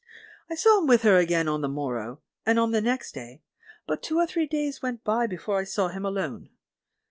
I saw him with her again on the morrow, and on the next day, but two or three days went by before I saw him alone.